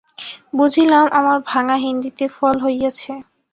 বুঝিলাম, আমার ভাঙা হিন্দিতে ফল হইয়াছে।